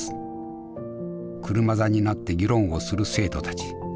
車座になって議論をする生徒たち。